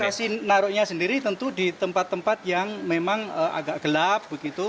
prosesi naruhnya sendiri tentu di tempat tempat yang memang agak gelap begitu